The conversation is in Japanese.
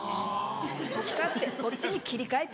「そっか」ってそっちに切り替えて。